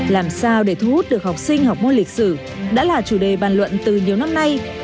làm sao để thu hút được học sinh học môn lịch sử đã là chủ đề bàn luận từ nhiều năm nay